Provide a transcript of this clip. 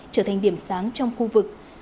trở thành điểm sáng trong khu vực